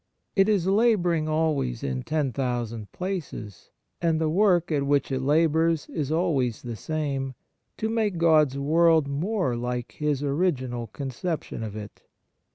It is labouring always in ten thousand places, and the work at which it labours is always the same — to make God's world more like His original conception of it.